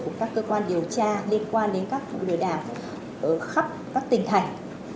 của các cơ quan điều tra liên quan đến các lừa đảo ở khắp các tỉnh thành